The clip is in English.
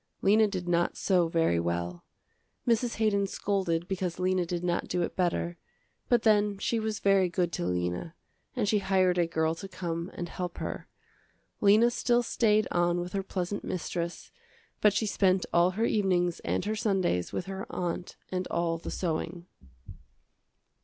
Lena did not sew very well. Mrs. Haydon scolded because Lena did not do it better, but then she was very good to Lena, and she hired a girl to come and help her. Lena still stayed on with her pleasant mistress, but she spent all her evenings and her Sundays with her aunt and all the sewing.